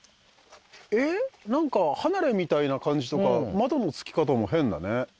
何か離れみたいな感じとか窓のつき方も変だね